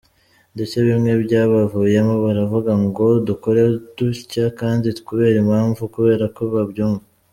Ndetse bimwe byabavuyemo baravuga ngo dukore dutya kandi kubera impamvu, kubera ko babyumva.